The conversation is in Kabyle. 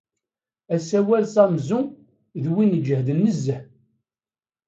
Asawal Samsung d win ijehden nezzeh.